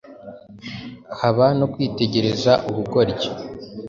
haba no kwitegereza ubugoryi.